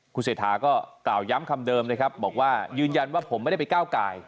คุณเศรษฐาก็กล่าวย้ำคำเดิมนะครับบอกว่ายืนยันว่าผมไม่ได้ไปก้าวกาย